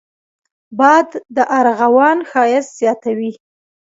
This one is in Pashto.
باد د ارغوان ښايست زیاتوي